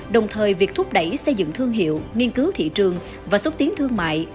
đồng thời việc thúc đẩy xây dựng thương hiệu nghiên cứu thị trường và xúc tiến thương mại